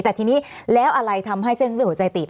แต่ทีนี้แล้วอะไรทำให้เส้นเลือดหัวใจตีบ